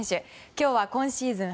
今日は今シーズン